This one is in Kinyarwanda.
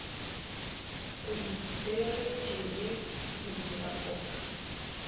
Uyiterekeye Rugira-ngoga